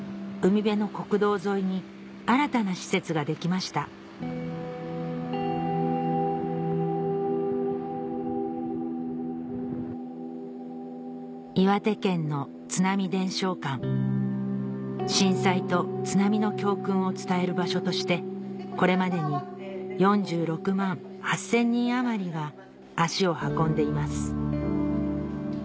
海辺の国道沿いに新たな施設が出来ました岩手県の津波伝承館震災と津波の教訓を伝える場所としてこれまでに４６万８０００人余りが足を運んでいます